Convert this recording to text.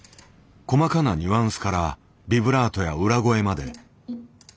細かなニュアンスからビブラートや裏声まで。